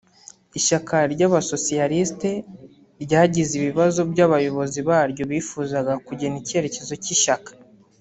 ishyaka ry’abasocialiste ryagize ibibazo by’abayobozi baryo bifuzaga kugena icyerekezo cy’ishyaka